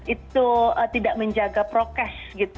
itu tidak menjaga prokes